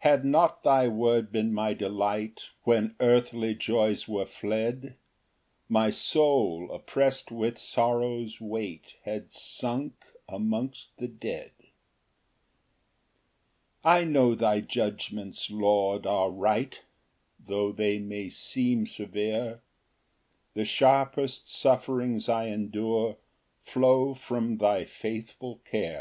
Ver. 92. 4 Had not thy word been my delight When earthly joys were fled, My soul opprest with sorrow's weight Had sunk amongst the dead. Ver. 75. 5 I know thy judgments, Lord, are right, Tho' they may seem severe; The sharpest sufferings I endure Flow from thy faithful care.